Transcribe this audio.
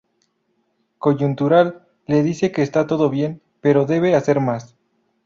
Coyuntural le dice que está todo bien, pero que debe hacer más.